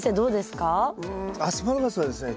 うんアスパラガスはですね